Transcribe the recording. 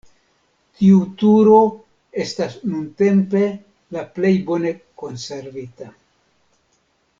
Tiu turo estas nuntempe la plej bone konservita.